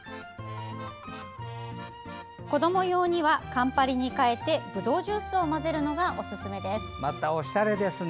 子ども用には、カンパリに代えてぶどうジュースを混ぜるのがおすすめです。